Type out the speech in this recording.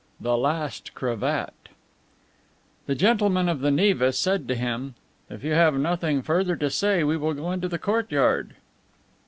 THE LAST CRAVAT The gentleman of the Neva said to him: "If you have nothing further to say, we will go into the courtyard."